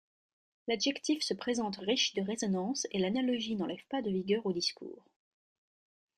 L'adjectif se présente riche de résonances, et l'analogie n'enlève pas de vigueur au discours.